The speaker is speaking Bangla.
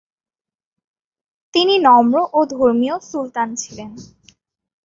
তিনি নম্র ও ধর্মীয় সুলতান ছিলেন।